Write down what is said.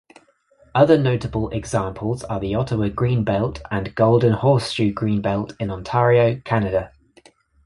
Other notable examples are the Ottawa Greenbelt and Golden Horseshoe Greenbelt in Ontario, Canada.